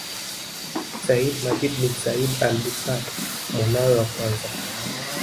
Sayyid Majid bin Said Al Busad mwanawe wa kwanza